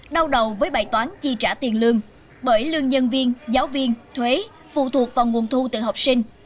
đau đầu với bài toán chi trả tiền lương bởi lương nhân viên giáo viên thuế phụ thuộc vào nguồn thu từ học sinh